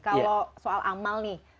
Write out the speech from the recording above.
kalau soal amal nih